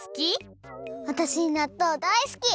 わたしなっとうだいすき！